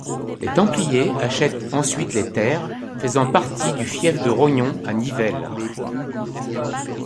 Les Templiers achètent ensuite des terres faisant partie du fief de Rognon à Nivelles.